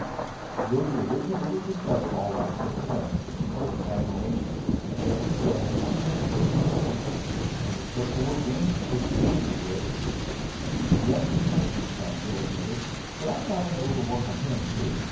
"You're the original little discoverer, all right," said Slim in open admiration, addressing Joe as the lieutenant hurried from the room. "And you certainly were game, to take the beating you did." "Yes, he punished me some," Joe admitted. "But I got in a little work on him, too.